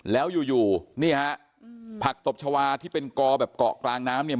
แล้วอยู่อยู่นี่ฮะผักตบชาวาที่เป็นกอแบบเกาะกลางน้ำเนี่ย